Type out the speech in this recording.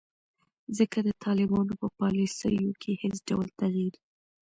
ځکه د طالبانو په پالیسیو کې هیڅ ډول تغیر